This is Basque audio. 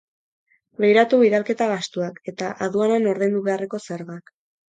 Begiratu bidalketa gastuak eta aduanan ordaindu beharreko zergak.